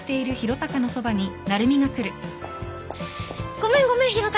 ごめんごめん宏嵩。